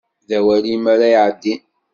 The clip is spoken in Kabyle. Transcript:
D awal-iw ara iɛeddin